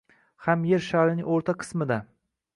ham Yer sharining oʻrta qismida